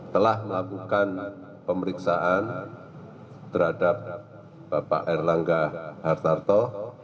telah melakukan pemeriksaan terhadap bapak erlangga hartarto